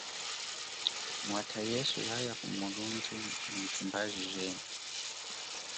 Mwatha yesu yaya kumulundhu nyi tumbaji jenyi.